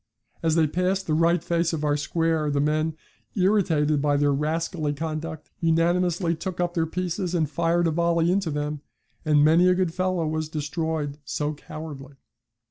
As they passed the right face of our square the men, irritated by their rascally conduct, unanimously took up their pieces and fired a volley into them, and 'many a good fellow was destroyed so cowardly.'